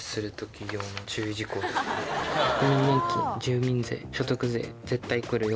「国民年金住民税所得税絶対くるよ」。